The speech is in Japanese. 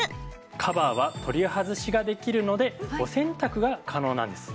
カバーは取り外しができるのでお洗濯が可能なんです。